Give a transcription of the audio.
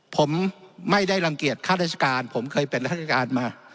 ผมไม่ได้รังเกียจค่าราชการผมเคยเป็นราชการมา